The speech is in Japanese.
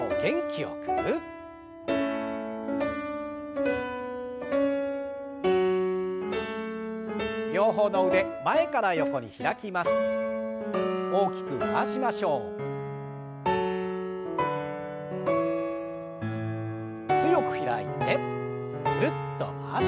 強く開いてぐるっと回します。